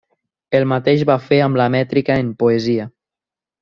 El mateix va fer amb la mètrica en poesia.